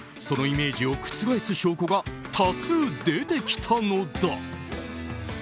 しかしそのイメージを覆す証拠が多数、出てきたのだ。